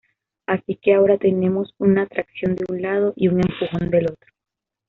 Así que ahora tenemos una atracción de un lado y un empujón del otro.